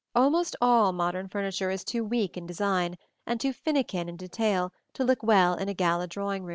Almost all modern furniture is too weak in design and too finikin in detail to look well in a gala drawing room.